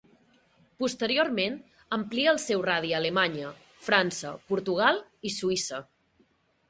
Posteriorment amplia el seu radi a Alemanya, França, Portugal i Suïssa.